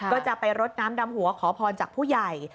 ก็จะไปรดน้ำดำหัวขอพรจากผู้ใหญ่